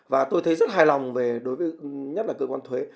và tôi thấy rất hài lòng về đối với nhất là cơ quan thuế